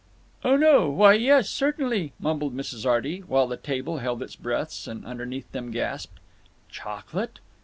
"Oh no; why, yes, certainly, "mumbled Mrs. Arty, while the table held its breaths and underneath them gasped: "Chocolate!"